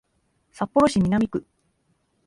札幌市南区